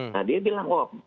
nah dia bilang